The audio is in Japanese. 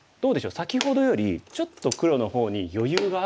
先ほどよりちょっと黒の方に余裕がある気しません？